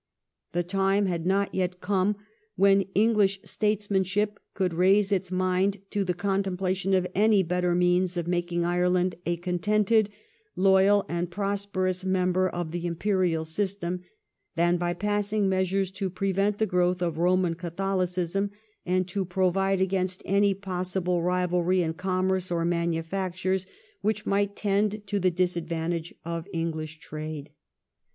The time had not yet come when English statesman ship could raise its mind to the contemplation of any better means of making Ireland a contented, loyal, and prosperous member of the imperial system than by passing measures to prevent the growth of Eoman Catholicism and to provide against any possible rivalry in commerce or manufactures which might tend to the disadvantage of English trade.